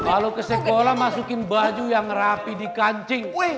kalau ke sekolah masukin baju yang rapi di kancing